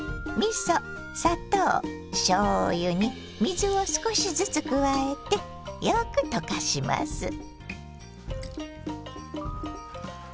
みそ砂糖しょうゆに水を少しずつ加えてよく溶かします。